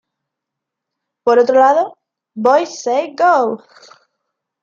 Por otro lado, Boys Say Go!